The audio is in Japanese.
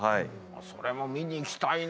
それも見に行きたいな。